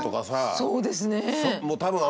そうですね。